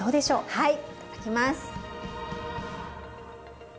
はいいただきます。